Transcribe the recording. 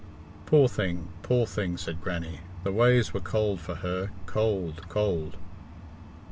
"Poor thing! Poor thing!" said Grannie. "The ways were cold for her cold, cold!"